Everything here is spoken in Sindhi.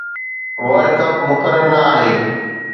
ورلڊ ڪپ مقرر نه آهي